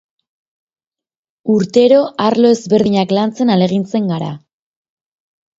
Urtero arlo ezberdinak lantzen ahalegintzen gara